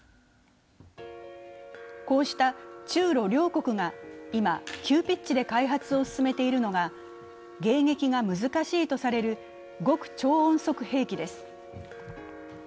こうした中ロ両国が今、急ピッチで開発を進めているのが、迎撃が難しいとされる極超音速兵器です。